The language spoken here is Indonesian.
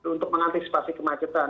untuk mengantisipasi kemacetan